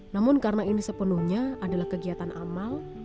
namun karena ini sepenuhnya adalah kegiatan amal